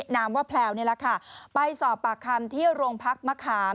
นามว่าแพลวนี่แหละค่ะไปสอบปากคำที่โรงพักมะขาม